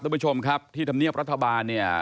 ท่านผู้ชมครับที่ธรรมเนียบรัฐบาลเนี่ย